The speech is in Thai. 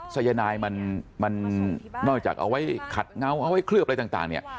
สายนายมันนอกจากเอาไว้ขัดเงาเอาไว้เคลือบอะไรต่างเนี่ย